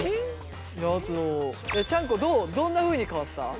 あとチャン子どんなふうに変わった？